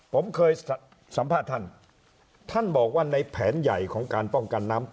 ผมเคยสัมภาษณ์ท่านท่านบอกว่าในแผนใหญ่ของการป้องกันน้ำ